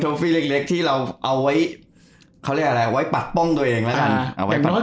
ทิ่งโลกที่เราเอาไว้เขาเรียกว่าอะไรว่าถอดป้องตัวเองเป็นอะไรเอาเป็น